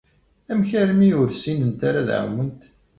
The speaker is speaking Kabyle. Amek armi ur ssinent ara ad ɛument?